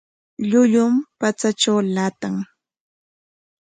Llullum patsatraw llaatan.